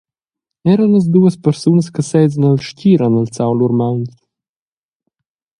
Era las duas persunas che sesan el stgir han alzau lur mauns.